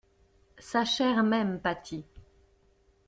Sa chair même pâtit.